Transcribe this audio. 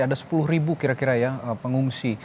ada sepuluh ribu kira kira ya pengungsi